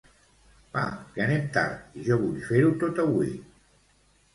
Va, que anem tard i jo vull fer-ho tot avui.